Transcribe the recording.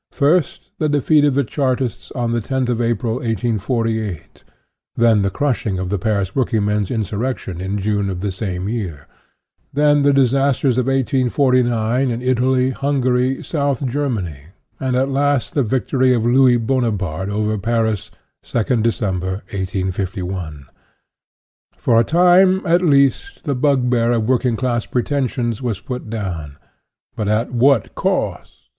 First the defeat of the Chartists on the loth April, 1848, then the crushing of the Paris working men's insurrection in June of the same year, then the disasters of 1849 ' in I ta ty Hungary, South Germany, and at last the victory of Louis Bonaparte over Paris, 2nd December, 1851. For a time, at least, the bugbear of work ing class pretensions was put down, but at what cost!